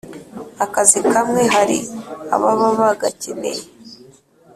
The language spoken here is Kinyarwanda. akazi kamwe hari ababa bagakeneye